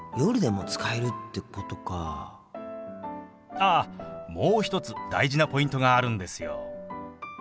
あっもう一つ大事なポイントがあるんですよ。